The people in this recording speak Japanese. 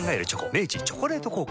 明治「チョコレート効果」